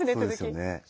そうですよね。